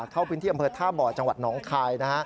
เข้าบินที่กำเผยท่าบ่อจังหวัดน้องคาย